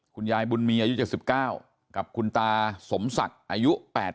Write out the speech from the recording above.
คุณยายบุญมีอายุ๗๙กับคุณตาสมศักดิ์อายุ๘๐